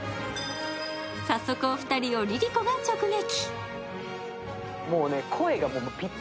早速、お二人をＬｉＬｉＣｏが直撃。